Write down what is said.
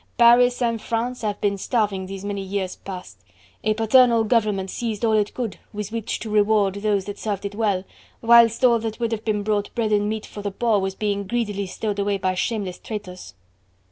"Paris and France have been starving these many years past: a paternal government seized all it could with which to reward those that served it well, whilst all that would have been brought, bread and meat for the poor, was being greedily stowed away by shameless traitors!"